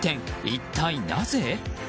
一体なぜ？